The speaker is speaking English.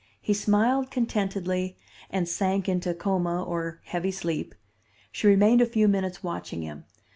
He smiled contentedly, and sank into coma or heavy sleep. She remained a few minutes watching him.